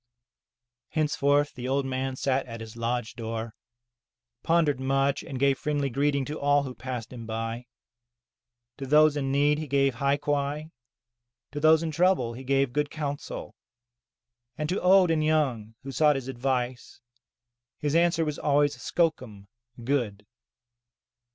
Henceforth the old man sat at his lodge door, pondered much, and gave friendly greeting to all who passed him by. To those in need he gave hai quai, to those in trouble he gave good counsel, and to old and young who sought his advice, his answer was always skokum (good).